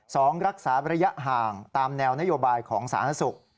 สองรักษาระยะห่างตามแนวนโยบายของสาธารณสุข